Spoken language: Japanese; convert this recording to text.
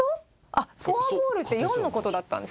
あっフォアボールって４の事だったんですか？